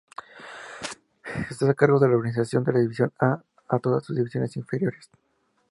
Está a cargo de la organización de la División-A y todas sus divisiones inferiores.